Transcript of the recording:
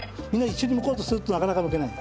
一緒にむこうとするとなかなかむけない。